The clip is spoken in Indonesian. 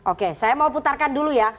oke saya mau putarkan dulu ya